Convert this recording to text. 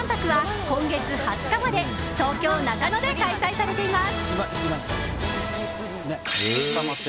アイスクリーム万博は今月２０日まで東京・中野で開催されています。